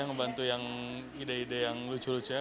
ngebantu yang ide ide yang lucu lucu